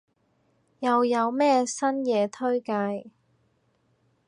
又有咩新嘢推介？